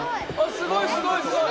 すごいすごいすごい。